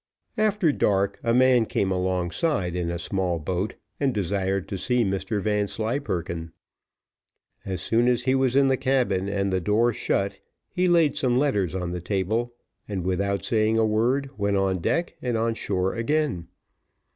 After dark, a man came alongside in a small boat, and desired to see Mr Vanslyperken. As soon as he was in the cabin and the door shut, he laid some letters on the table, and without saying a word went on deck and on shore again.